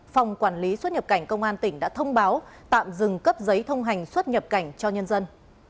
phòng quản lý xuất nhập cảnh công an tỉnh đã thông báo tạm dừng cấp giấy thông hành xuất nhập cảnh cho nhân dân